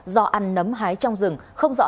do ăn nấm hái trong rừng không rõ